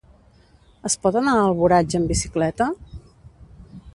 Es pot anar a Alboraig amb bicicleta?